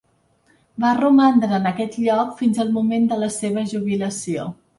Va romandre en aquest lloc fins al moment de la seva jubilació.